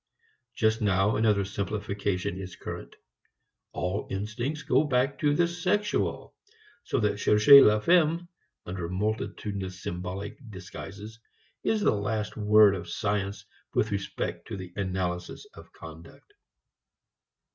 Just now another simplification is current. All instincts go back to the sexual, so that cherchez la femme (under multitudinous symbolic disguises) is the last word of science with respect to the analysis of conduct.